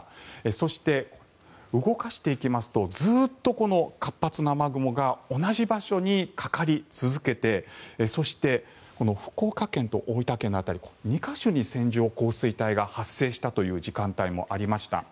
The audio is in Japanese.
そして、動かしていきますとずっとこの活発な雨雲が同じ場所にかかり続けてそしてこの福岡県と大分県の辺り２か所に線状降水帯が発生したという時間帯もありました。